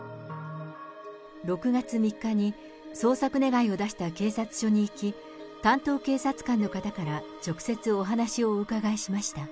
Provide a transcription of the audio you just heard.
６月３日に、捜索願を出した警察署に行き、担当警察官の方から直接お話をお伺いしました。